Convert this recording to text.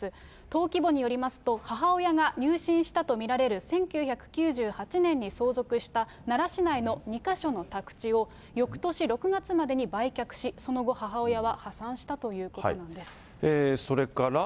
登記簿によりますと、母親が入信したと見られる１９９８年に相続した奈良市内の２か所の宅地を、よくとし６月までに売却し、その後、母親は破産したとそれから。